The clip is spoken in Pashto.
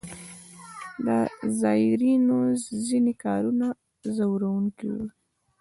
د زایرینو ځینې کارونه ځوروونکي وو.